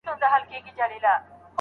که زده کوونکی املا تمرین نه کړي.